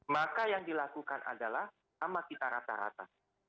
maka yang dilakukan adalah sama kita rata rata